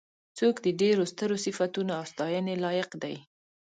څوک د ډېرو سترو صفتونو او د ستاینې لایق دی.